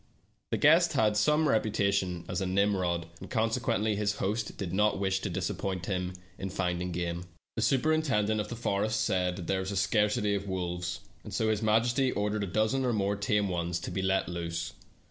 The guest had some reputation as a Nimrod, and consequently his host did not wish to disappoint him in finding game. The superintendent of the forest said there was a scarcity of wolves, and so his majesty ordered a dozen or more tame ones to be let loose.